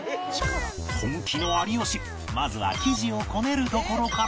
本気の有吉まずは生地をこねるところから